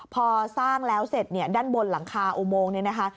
พอสร้างแล้วเสร็จเนี่ยด้านบนหลังคาอุโมงเนี่ยนะคะ